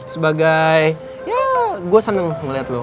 sebagai ya gue seneng ngeliat lo